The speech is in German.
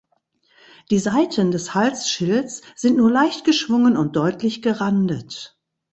Die Seiten des Halsschilds sind nur leicht geschwungen und deutlich gerandet.